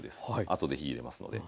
あとで火入れますので。